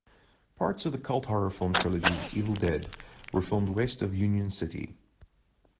Parts of the cult-horror film trilogy "Evil Dead" were filmed west of Union City.